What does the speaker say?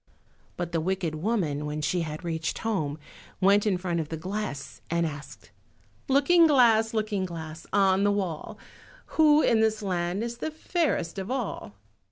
But the wicked woman when she had reached home went in front of the glass and asked— "Looking glass, Looking glass, on the wall, Who in this land is the fairest of all?"